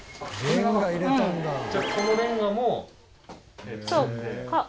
じゃあこのレンガも積んで。